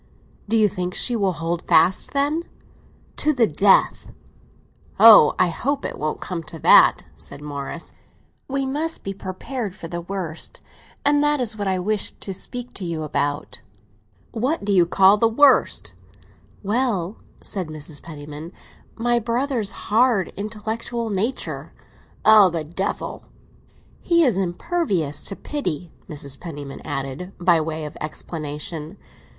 "Do you think she will hold fast, then?" "To the death!" "Oh, I hope it won't come to that," said Morris. "We must be prepared for the worst, and that is what I wish to speak to you about." "What do you call the worst?" "Well," said Mrs. Penniman, "my brother's hard, intellectual nature." "Oh, the devil!" "He is impervious to pity," Mrs. Penniman added, by way of explanation.